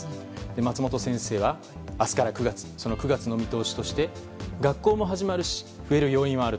松本先生は、明日から９月その９月の見通しとして学校も始まるし増える要因はある。